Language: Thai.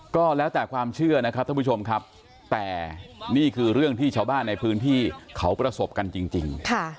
ก็แล้วแต่ความเชื่อนะครับท่านผู้ชมครับแต่นี่คือเรื่องที่ชาวบ้านในพื้นที่เขาประสบกันจริง